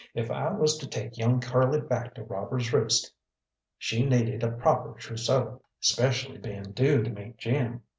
If I was to take young Curly back to Robbers' Roost, she needed a proper trousseau, specially being due to meet Jim.